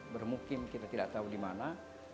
bermukim kita tidak tahu di mana